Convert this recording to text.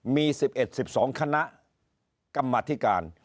มี๑๑๑๒คณะกรรมธิการ